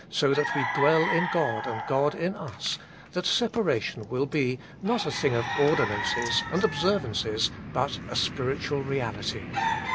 so that we dwell in God, and God in us, that separation will be, not a thing of ordinances and observances, but a spiritual reality.